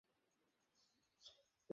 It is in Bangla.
শুধুমাত্র অই তিনজন!